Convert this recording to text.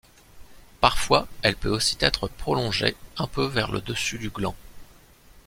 Parfois elle peut aussi être prolonger un peu vers le dessus du gland.